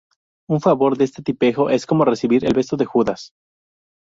Un favor de ese tipejo es como recibir el beso de Judas